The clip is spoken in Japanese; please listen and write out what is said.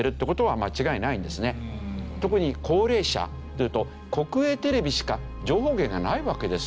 特に高齢者っていうと国営テレビしか情報源がないわけですよね。